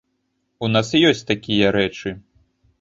У нас ёсць такія рэчы.